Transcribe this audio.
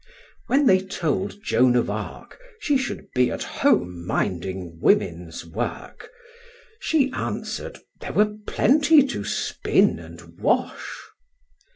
When they told Joan of Arc she should be at home minding women's work, she answered there were plenty to spin and wash.